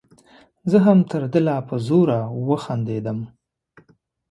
زه هم تر ده لا په زوره وخندلم.